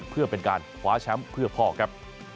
เพื่อเป็นการคว้าแชมป์เพื่อพ่อครับ